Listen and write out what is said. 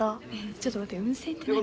ちょっと待って何？